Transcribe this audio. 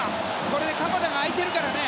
これで鎌田が空いてるからね。